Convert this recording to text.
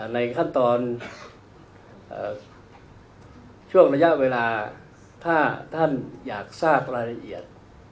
ในขั้นตอนช่วงระยะเวลาถ้าท่านอยากทราบรายละเอียด